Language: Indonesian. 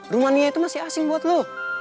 rumania itu masih asing buat lo